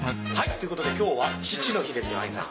ということで今日は父の日ですよ兄さん。